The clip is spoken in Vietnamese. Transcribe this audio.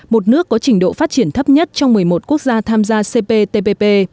một nước có trình độ phát triển thấp nhất trong một mươi một quốc gia tham gia cptpp